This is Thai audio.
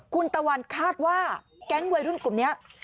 คุณตะวันคาดว่าแก๊งวัยรุ่นกลุ่มนี้